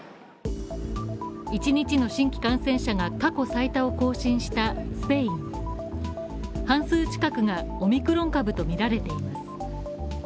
１日の新規感染者が過去最多を更新したスペイン半数近くがオミクロン株とみられています